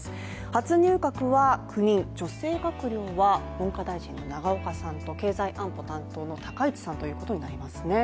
初入閣は９人、女性閣僚は文科大臣の永岡さんと、経済安保担当の高市さんということになりますね。